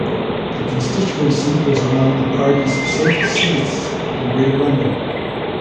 The constituency was among the party's safest seats in Greater London.